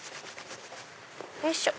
よいしょ！